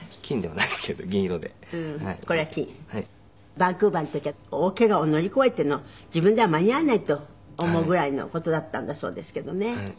バンクーバーの時は大ケガを乗り越えての自分では間に合わないと思うぐらいの事だったんだそうですけどね。